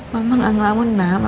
mama ga ngelamun lah